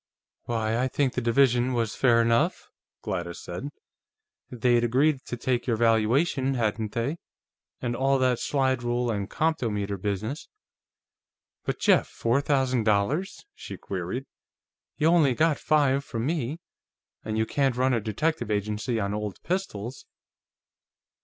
"Why, I think the division was fair enough," Gladys said. "They'd agreed to take your valuation, hadn't they? And all that slide rule and comptometer business.... But Jeff four thousand dollars?" she queried. "You only got five from me, and you can't run a detective agency on old pistols."